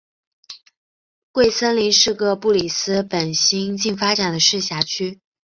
蕨森林是个布里斯本新近发展的市辖区。